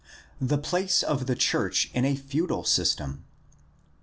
The place of the church in a feudal system.